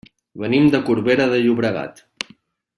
Venim de Corbera de Llobregat.